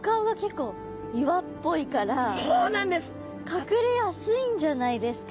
隠れやすいんじゃないですか？